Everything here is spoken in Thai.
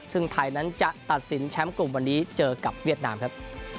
ซึ่งไทยนั้นจะตัดสินแชมป์กลุ่มวันนี้เจอกับเวียดนามครับ